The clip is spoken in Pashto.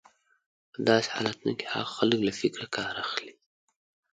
په داسې حالتونو کې هغه خلک له فکره کار اخلي.